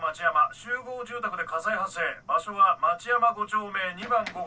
集合住宅で火災発生場所は町山５丁目２番５号。